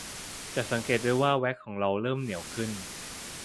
จะสังเกตได้ว่าแว็กซ์ของเราเริ่มเหนียวขึ้น